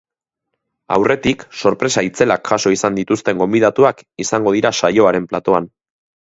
Aurretik, sorpresa itzelak jaso izan dituzten gonbidatuak izango dira saioaren platoan.